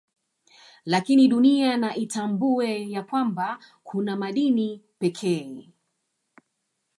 Lakini Dunia na itambue ya kwanba kuna madini pekee